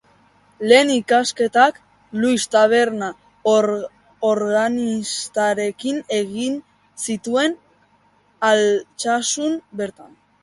Lehen ikasketak Luis Taberna organistarekin egin zituen Altsasun bertan.